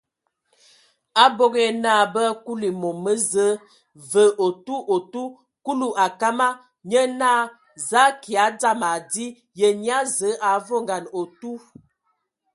Abog yǝ naa bə akuli mom mə Zəə vǝ otu otu Kulu a kama, nye naa: Za akyaɛ, dzam adi! Ye nyia Zǝə a avoŋan otu?